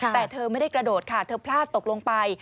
แต่เธอไม่ได้กระโดดค่ะเธอพลาดตกลงไป